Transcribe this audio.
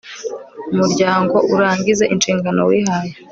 umuryango urangize inshingano wihaye